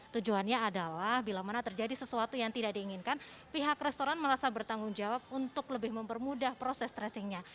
tujuannya adalah bila mana terjadi sesuatu yang tidak diinginkan pihak restoran merasa bertanggung jawab untuk lebih mempermudah proses tracingnya